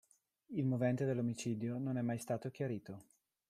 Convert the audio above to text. Il movente dell'omicidio non è mai stato chiarito.